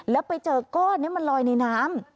แล้วไปเจอก้อนนี้มันลอยในน้ำ